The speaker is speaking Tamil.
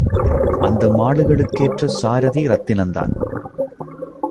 அந்த மாடுகளுக்கேற்ற சாரதி ரத்தினந்தான்.